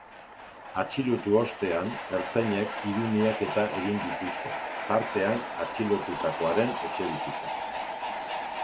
Atxilotu ostean, ertzainek hiru miaketa egin dituzte, tartean atxilotutakoaren etxebizitzan.